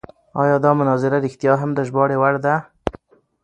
ایا دا مناظره رښتیا هم د ژباړې وړ ده؟